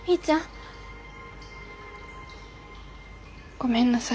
ごめんなさい